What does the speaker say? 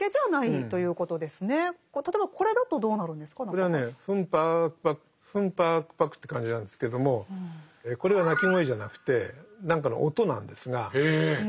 これはね「フンパクパクフンパクパク」という感じなんですけれどもこれは鳴き声じゃなくて何かの音なんですが。へ。